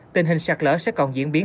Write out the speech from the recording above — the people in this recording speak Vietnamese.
tình hình sạt lỡ sẽ còn diễn biến